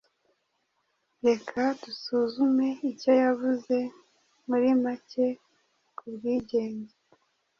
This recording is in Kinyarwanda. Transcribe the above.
Reka dusuzume icyo yavuze muri make ku bwigenge.